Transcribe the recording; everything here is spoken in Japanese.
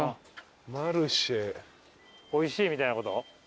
おいしいみたいなこと？